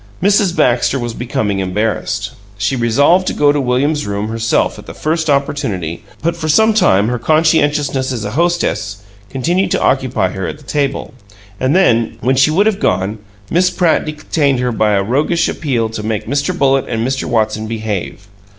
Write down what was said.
Mrs. Baxter was becoming embarrassed. She resolved to go to William's room herself at the first opportunity; but for some time her conscientiousness as a hostess continued to occupy her at the table, and then, when she would have gone, Miss Pratt detained her by a roguish appeal to make Mr. Bullitt and Mr. Watson behave.